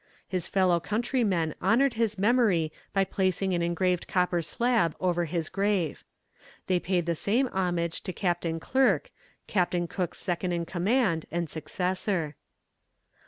His fellow countrymen honoured his memory by placing an engraved copper slab over his grave. They paid the same homage to Captain Clerke, Captain Cook's second in command, and successor.